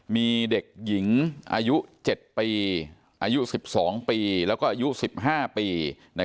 มีเด็กหญิงอายุ๗ปีอายุ๑๒ปีแล้วก็อายุ๑๕ปี